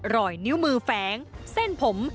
รอยนิ้วมือแฝงเส้นผม